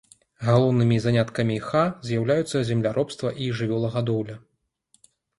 Галоўнымі заняткамі ха з'яўляюцца земляробства і жывёлагадоўля.